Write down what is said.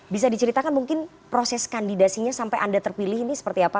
bisa diceritakan mungkin proses kandidasinya sampai anda terpilih ini seperti apa